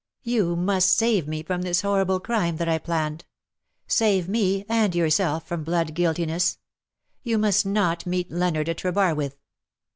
You must save me from this horrible crime that I planned — save me and yourself from blood guilti ness. You must not meet Leonard at Trebarwith.'